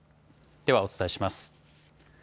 ではお伝えします。